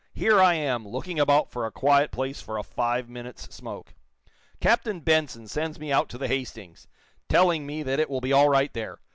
"Here I am, looking about for a quiet place for a five minutes' smoke. Captain Benson sends me out to the 'Hastings,' telling me that it will be all right there.